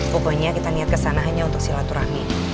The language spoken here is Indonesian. pokoknya kita niat ke sana hanya untuk silaturahmi